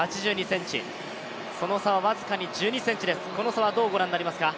その差は僅か１２ｃｍです、この差はどうご覧になりますか。